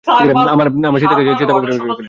আমাদের স্বাতীকে চিতাবাঘ আক্রমণ করেছে।